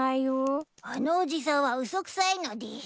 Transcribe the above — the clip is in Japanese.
あのおじさんは嘘くさいのでぃす。